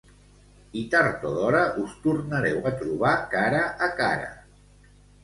I tard o d'hora us tornareu a trobar cara a cara.